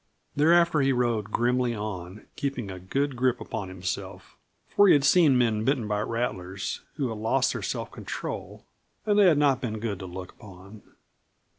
Thereafter he rode grimly on, keeping a good grip upon himself for he had seen men bitten by rattlers who had lost their self control and they had not been good to look upon.